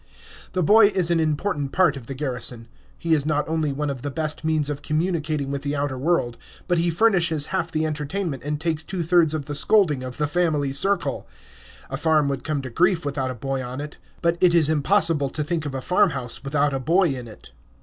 The boy is an important part of the garrison. He is not only one of the best means of communicating with the outer world, but he furnishes half the entertainment and takes two thirds of the scolding of the family circle. A farm would come to grief without a boy on it, but it is impossible to think of a farmhouse without a boy in it.